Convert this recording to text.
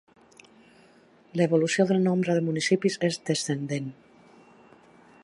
L'evolució del nombre de municipis és descendent.